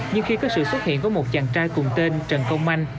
nhưng khi có sự xuất hiện của một chàng trai cùng tên trần công anh